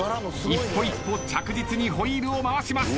一歩一歩着実にホイールを回します。